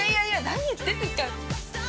何言ってんですか！